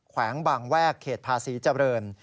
แขวงบางแวกเขตภาษีเจริญ